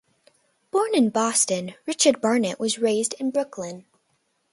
Born in Boston, Richard Barnet was raised in Brookline.